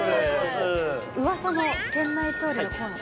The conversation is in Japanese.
ウワサの店内調理のコーナー